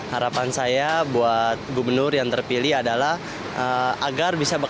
harapan saya buat gubernur yang terpilih adalah agar bisa bekerja